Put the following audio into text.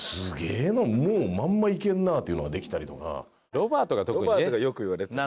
ロバートがよく言われてた。